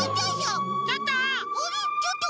ちょっと。